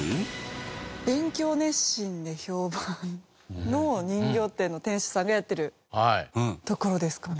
勉強熱心で評判の人形店の店主さんがやってるところですかね？